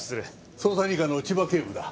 捜査二課の千葉警部だ。